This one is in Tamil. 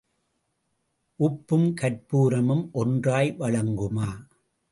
உப்பும் கர்ப்பூரமும் ஒன்றாய் வழங்குமா?